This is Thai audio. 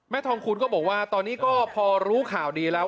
ทองคูณก็บอกว่าตอนนี้ก็พอรู้ข่าวดีแล้ว